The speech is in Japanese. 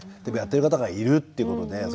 でもやってる方がいるっていうことで。